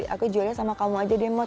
aku jualnya sama kamu aja deh maud